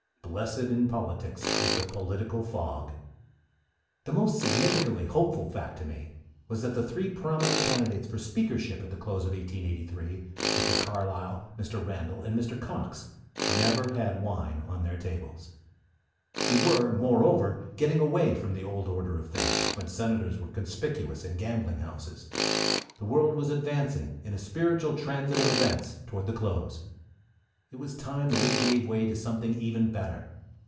Blessed in politics is the political fog! The most significantly hopeful fact to me was that the three prominent candidates for Speakership at the close of 1883 Mr. Carlisle, Mr. Randall, and Mr. Cox never had wine on their tables. We were, moreover, getting away from the old order of things, when senators were conspicuous in gambling houses. The world was advancing in a spiritual transit of events towards the close. It was time that it gave way to something even better.